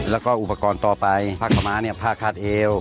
แล้วก็อุปกรณ์ต่อไปผ้ากะมะผ้าคาดเอว